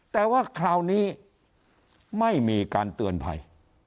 แต่ว่าคราวนี้ไม่มีการเตือนภัย